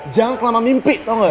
jangan kelama mimpi tau gak